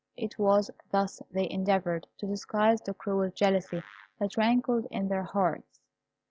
It was thus they endeavoured to disguise the cruel jealousy that rankled in their hearts.